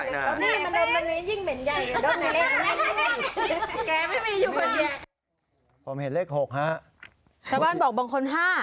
ชาวบ้านบอกบางคน๕